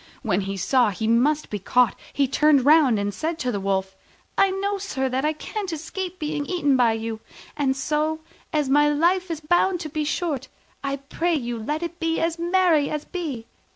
When he saw he must be caught he turned round and said to the Wolf, "I know, sir, that I can't escape being eaten by you: and so, as my life is bound to be short, I pray you let it be as merry as may be.